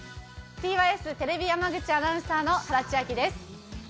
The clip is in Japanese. ＴＹＳテレビ山口アナウンサーの原千晶です。